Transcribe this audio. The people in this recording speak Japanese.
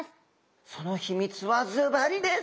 その秘密はずばりです。